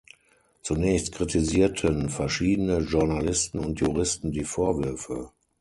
Zunächst kritisierten verschiedene Journalisten und Juristen die Vorwürfe.